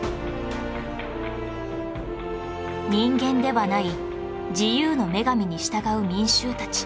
人間ではない自由の女神に従う民衆たち